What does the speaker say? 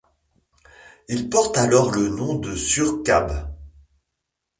Il porte alors le nom de Surkhab.